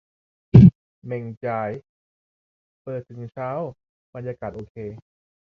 เหม่งจ๋าย เปิดถึงเช้า บรรยากาศโอเค